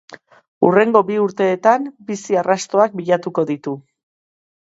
Hurrengo bi urteetan, bizi arrastoak bilatuko ditu.